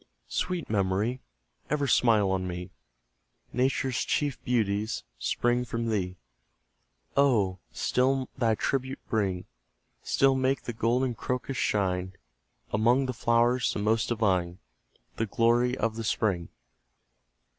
Sweet Memory! ever smile on me; Nature's chief beauties spring from thee; Oh, still thy tribute bring Still make the golden crocus shine Among the flowers the most divine, The glory of the spring.